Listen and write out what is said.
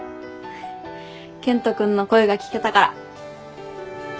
健人君の声が聞けたから。